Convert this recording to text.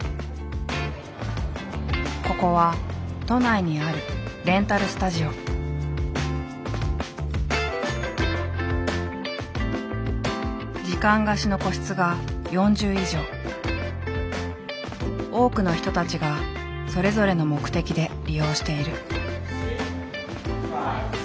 ここは都内にある時間貸しの多くの人たちがそれぞれの目的で利用している。